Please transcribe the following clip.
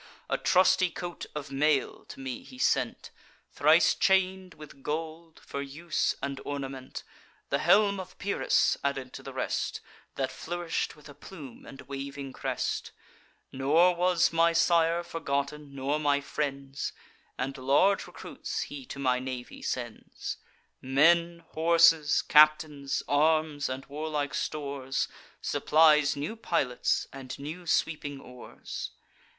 A trusty coat of mail to me he sent, Thrice chain'd with gold, for use and ornament; The helm of Pyrrhus added to the rest, That flourish'd with a plume and waving crest. Nor was my sire forgotten, nor my friends; And large recruits he to my navy sends: Men, horses, captains, arms, and warlike stores; Supplies new pilots, and new sweeping oars.